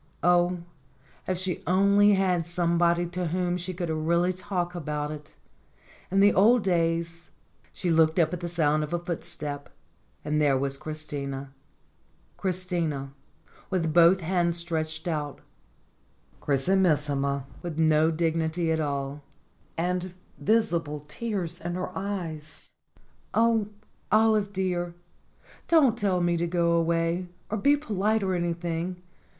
Oh, if she only had somebody to whom she could really talk about it ! In the old days She looked up at the sound of a footstep, and there was Christina Christina, with both hands stretched out Chrisimissima, with no dignity at all, and visible tears in her eyes. "Oh, Olive dear! don't tell me to go away, or be polite or anything.